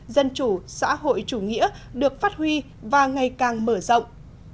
dân chủ xã hội chủ nghĩa được phát huy và ngày càng mở rộng